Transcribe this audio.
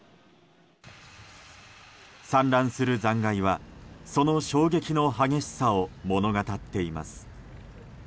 散乱する残骸はその衝撃の激しさを物語っています。